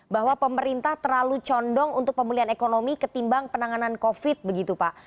bahwa pemerintah terlalu condong untuk pemulihan ekonomi ketimbang penanganan covid begitu pak